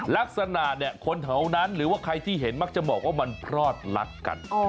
ลักษณะเนี่ยคนแถวนั้นหรือว่าใครที่เห็นมักจะบอกว่ามันพลอดรักกัน